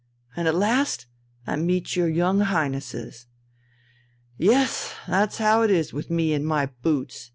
And at last I meet your young Highnesses. Yes, that's how it is with me and my boots!"